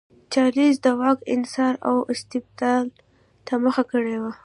چارلېز د واک انحصار او استبداد ته مخه کړې وه.